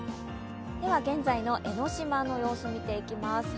現在の江の島の様子、見ていきます